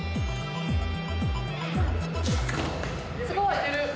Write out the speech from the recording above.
すごい。